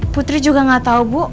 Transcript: putri juga gak tau bu